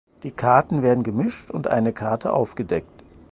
Die Karten werden gemischt und eine Karte aufgedeckt.